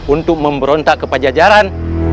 untuk memberontak kepada jajaran